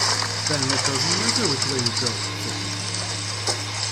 ‘Then it doesn’t matter which way you go,’ said the Cat.